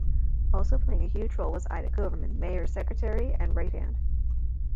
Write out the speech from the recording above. Also playing a huge role was Ida Koverman, Mayer's secretary and "right hand".